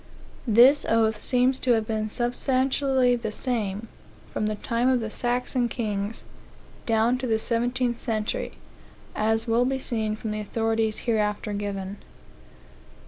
This oath seems to have been substantially the same, from the time of the Saxon kings, down to the seventeenth century, as will be seen from the authorities hereafter given.